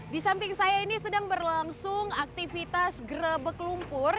di samping saya ini sedang berlangsung aktivitas gerebek lumpur